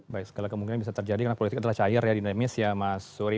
baik segala kemungkinan bisa terjadi karena politik adalah cair ya dinamis ya mas suri